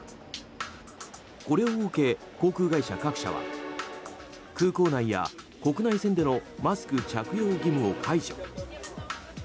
これを受け、航空会社各社は空港内や国内線でのマスク着用義務を解除。